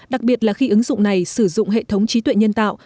đặc biệt là khi ứng dụng này sử dụng hệ thống trí tuệ nhân tạo